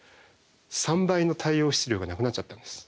３倍の太陽質量がなくなっちゃったんです。